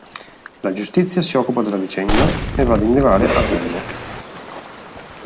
La giustizia si occupa della vicenda e va ad indagare a Vienne.